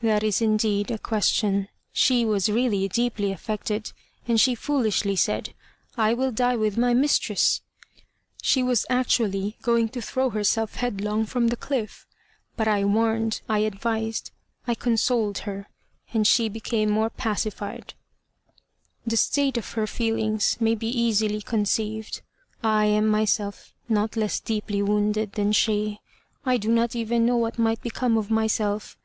"That is, indeed, a question. She was really deeply affected, and she foolishly said, 'I will die with my mistress.' She was actually going to throw herself headlong from the cliff; but I warned, I advised, I consoled her, and she became more pacified." "The state of her feelings may be easily conceived. I am myself not less deeply wounded than she. I do not even know what might become of myself."